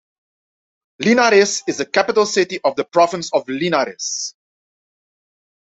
Linares is the capital city of the province of Linares.